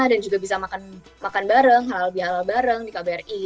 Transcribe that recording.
dan juga bisa makan bareng halal bihalal bareng di kbri